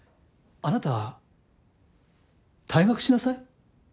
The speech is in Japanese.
あなたは。退学しなさい。